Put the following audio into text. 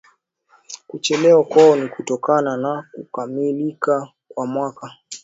kuchelewa kwao ni kutokana na kukamilika kwa mwaka